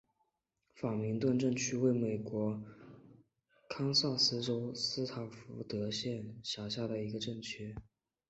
法明顿镇区为美国堪萨斯州斯塔福德县辖下的镇区。